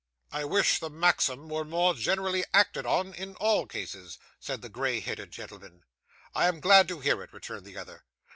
'I wish the maxim were more generally acted on, in all cases,' said the grey headed gentleman. 'I'm glad to hear it,' returned the other.